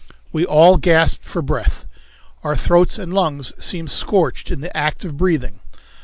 We all gasped for breath. Our throats and lungs seemed scorched in the act of breathing.